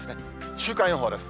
週間予報です。